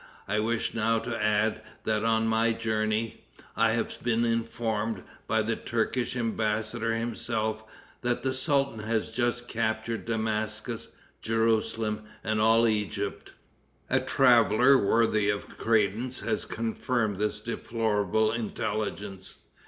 I wish now to add, that on my journey I have been informed, by the Turkish embassador himself, that the sultan has just captured Damascus, Jerusalem and all Egypt. A traveler, worthy of credence, has confirmed this deplorable intelligence.